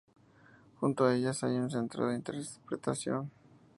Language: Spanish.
Junto a ellas hay un centro de interpretación.